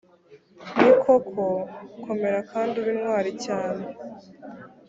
ni koko, komera kandi ube intwari cyane;